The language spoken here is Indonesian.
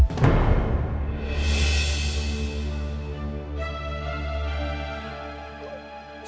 hasilnya benar benar menyedihkan